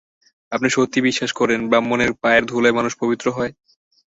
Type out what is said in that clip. আপনি সত্যি বিশ্বাস করেন ব্রাহ্মণের পায়ের ধুলোয় মানুষ পবিত্র হয়?